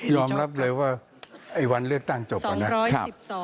ยอมรับเลยว่าไอวันเลือกตั้งจบแล้วนะครับ